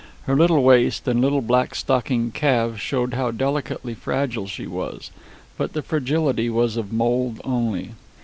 Her little waist and little black stockinged calves showed how delicately fragile she was; but the fragility was of mould only.